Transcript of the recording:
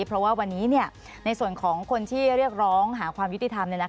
เพราะว่าวันนี้ในส่วนของคนที่เรียกร้องหาความยุติธรรม